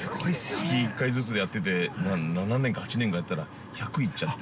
◆月１回ずつやってて７年か８年ぐらいやったら１００いっちゃって。